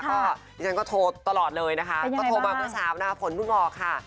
ดิฉันก็โทรตลอดเลยนะคะก็โทรมาเพื่อถามหน้าผลรุ่นออกค่ะ